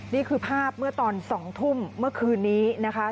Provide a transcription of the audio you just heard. นี่คือภาพเมื่อตอน๒ทุ่มเมื่อคืนนี้นะคะ